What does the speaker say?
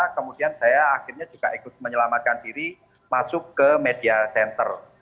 kemudian saya akhirnya juga ikut menyelamatkan diri masuk ke media center